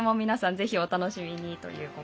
ぜひ、お楽しみに。